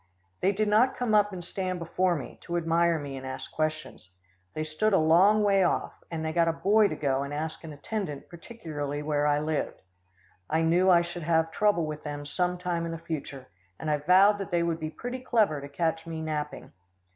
They did not come up and stand before me, to admire me and ask questions. They stood a long way off, and they got a boy to go and ask an attendant particularly where I lived. I knew I should have trouble with them some time in the future, and I vowed that they would be pretty clever to catch me napping.